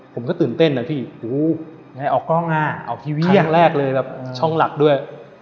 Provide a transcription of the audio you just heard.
ผมก็ตื่นเต้นนะพี่อู้ไงออกกล้องอ่ะออกทีวีอย่างแรกเลยแบบช่องหลักด้วย